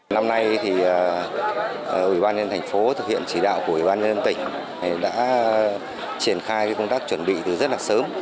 năm nay ủy ban nhân thành phố thực hiện chỉ đạo của ủy ban nhân tỉnh đã triển khai công tác chuẩn bị từ rất sớm